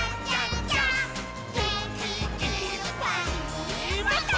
「げんきいっぱいもっと」